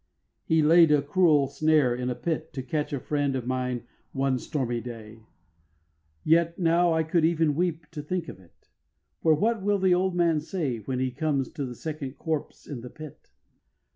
He laid a cruel snare in a pit To catch a friend of mine one stormy day; Yet now I could even weep to think of it; For what will the old man say When he comes to the second corpse in the pit?